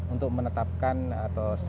untuk menetapkan atau start upnya